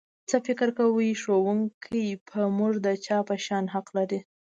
څه فکر کوئ ښوونکی په موږ د چا په شان حق لري؟